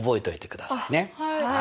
はい。